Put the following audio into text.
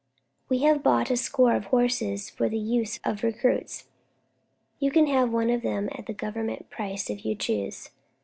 "We have bought a score of horses for the use of recruits. You can have one of them at the Government price if you choose."